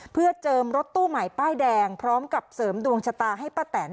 เพื่อเจิมรถตู้ใหม่ป้ายแดงพร้อมกับเสริมดวงชะตาให้ป้าแตน